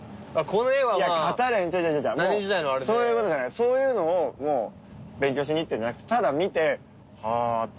そういうのを勉強しに行ってるんじゃなくてただ見てはあって。